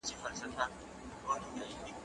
هغه څوک چي کار کوي پرمختګ کوي،